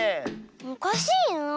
おかしいなあ。